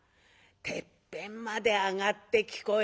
「てっぺんまで上がって聞こえるかいや」。